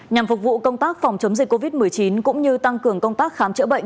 nhằm phục vụ công tác phòng chống dịch covid một mươi chín cũng như tăng cường công tác khám chữa bệnh